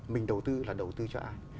mình đầu tư là đầu tư cho ai